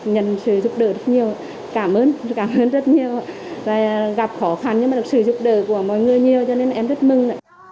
và gặp khó khăn nhưng mà được sự giúp đỡ của mọi người nhiều cho nên em rất mừng